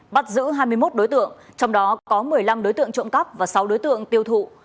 bắt giữ hai mươi một đối tượng trong đó có một mươi năm đối tượng trộm cắp và sáu đối tượng tiêu thụ